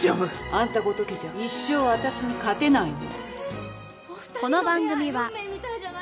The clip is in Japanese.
あんたごときじゃ一生私に勝てないの。